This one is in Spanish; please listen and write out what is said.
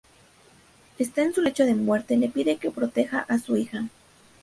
Esta en su lecho de muerte le pide que proteja a su hija.